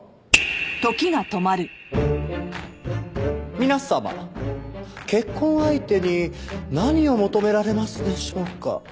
皆様結婚相手に何を求められますでしょうか？